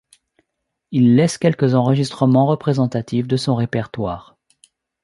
Il laisse quelques enregistrements représentatif de son répertoire.